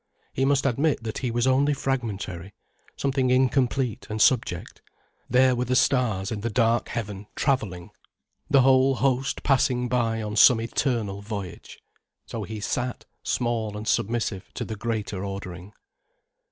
He must admit that he was only fragmentary, something incomplete and subject. There were the stars in the dark heaven travelling, the whole host passing by on some eternal voyage. So he sat small and submissive to the greater ordering.